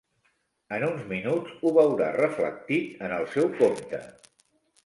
En uns minuts ho veurà reflectit en el seu compte.